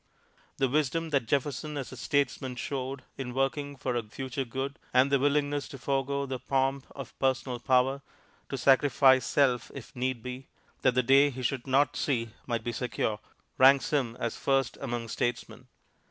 The wisdom that Jefferson as a statesman showed in working for a future good, and the willingness to forego the pomp of personal power, to sacrifice self if need be, that the day he should not see might be secure, ranks him as first among statesmen.